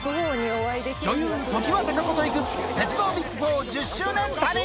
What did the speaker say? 女優、常盤貴子と行く、鉄道ＢＩＧ４、１０周年旅。